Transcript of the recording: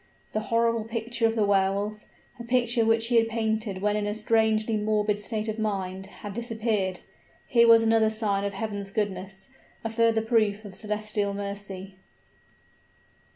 The horrible picture of the Wehr Wolf, a picture which he had painted when in a strangely morbid state of mind had disappeared. Here was another sign of Heaven's goodness a further proof of celestial mercy.